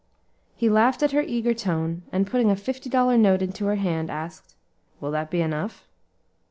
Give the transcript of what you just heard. He laughed at her eager tone, and putting a fifty dollar note into her hand, asked, "Will that be enough?"